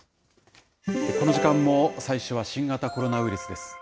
この時間も最初は新型コロナウイルスです。